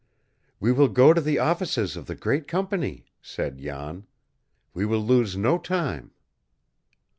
"We will go to the offices of the great company," said Jan. "We will lose no time."